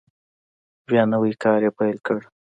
بیا نوی کار یې پیل کړ.